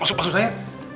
masuk masuk saya